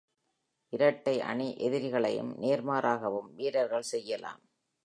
இரட்டை அணி எதிரிகளையும், நேர்மாறாகவும் வீரர்கள் செய்யலாம்.